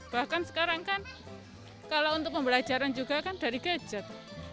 bahkan sekarang kan kalau untuk pembelajaran juga kan dari gadget